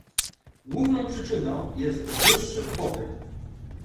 Główną przyczyną jest wyższy popyt